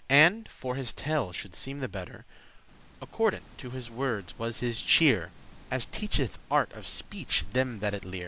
*fault And, for his tale shoulde seem the better, Accordant to his worde's was his cheer,* *demeanour As teacheth art of speech them that it lear.